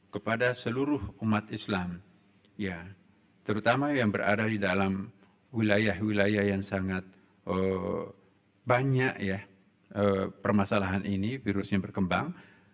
kepada seluruh umat islam ya terutama yang berada di dalam wilayah wilayah yang sangat banyak ya permasalahan ini virusnya berkembang